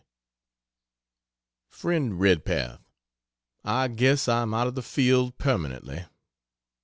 FRIEND REDPATH, I guess I am out of the field permanently.